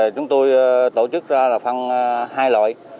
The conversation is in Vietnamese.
chúng tôi tổ chức ra là phân hai loại